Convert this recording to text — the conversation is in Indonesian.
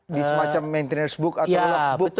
di semacam maintenance book atau logbook gitu ya